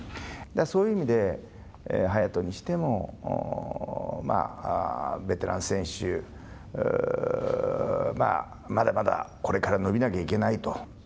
そういう意味で、勇人にしても、ベテラン選手まだまだこれから伸びなきゃいけないと。